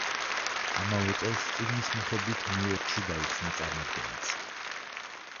ამავე წელს, წიგნის მიხედვით ნიუ იორკში გაიხნსა წარმოდგენაც.